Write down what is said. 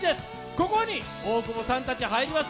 ここに大久保さんたち入ります。